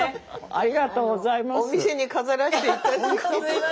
ありがとうございます。